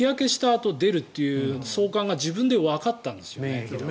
あと出るという相関が自分でわかったんですよ。